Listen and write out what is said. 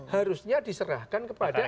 harusnya diserahkan kepada